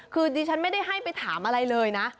คือดิฉันไม่ได้ให้ไปถามอะไรเลยนะ